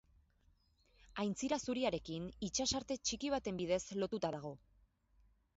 Aintzira zuriarekin, itsasarte txiki baten bidez lotuta dago.